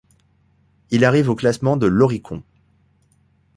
Il arrive au classement de l'Oricon.